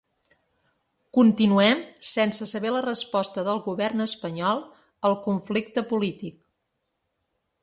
Continuem sense saber la resposta del govern espanyol al conflicte polític.